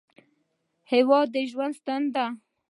هېواد د ژوند ستنې دي.